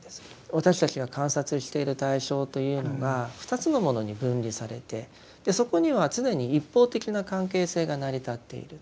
私たちが観察している対象というのが２つのものに分離されてそこには常に一方的な関係性が成り立っている。